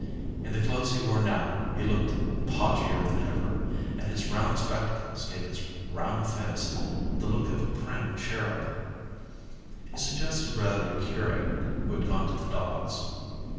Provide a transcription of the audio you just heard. In the clothes he wore now he looked podgier than ever, and his round spectacles gave his round face the look of a prim cherub. He suggested rather a curate who had gone to the dogs.